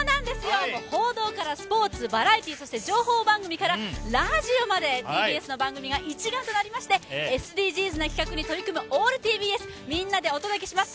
報道からスポーツ、バラエティー、情報番組からラジオまでＴＢＳの番組が一丸となりまして、ＳＤＧｓな企画に取り組むオールＴＢＳみんなでお届けします